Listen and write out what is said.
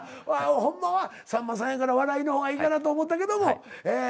ホンマはさんまさんやから笑いの方がいいかなと思ったけども。